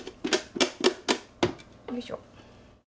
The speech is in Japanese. よいしょ。